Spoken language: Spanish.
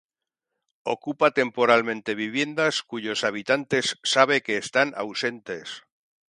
Ocupa temporalmente viviendas cuyos habitantes sabe que están ausentes.